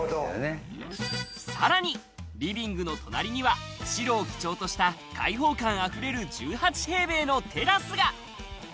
さらにリビングの隣には、白を基調とした開放感溢れる１８平米のテラスが。